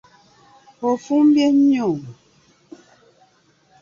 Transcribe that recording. Ofumbye nnyo!